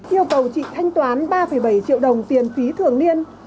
yêu cầu chị thanh toán ba bảy triệu đồng tiền phí thường niên